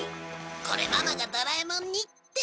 これママがドラえもんにって。